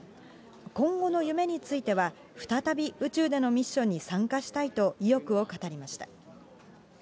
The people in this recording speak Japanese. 今後の夢については、再び宇宙でのミッションに参加したいと、意欲を語りました。